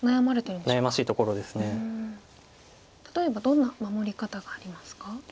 例えばどんな守り方がありますか？